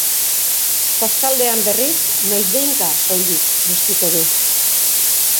Kostaldean, berriz, noizbehinka soilik bustiko du.